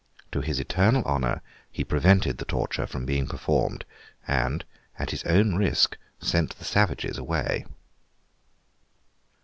To his eternal honour he prevented the torture from being performed, and, at his own risk, sent the savages away.